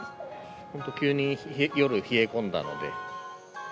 本当、急に夜、冷え込んだので。